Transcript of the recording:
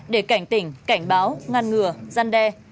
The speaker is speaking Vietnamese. để cảnh tỉnh cảnh báo ngăn ngừa giăn đe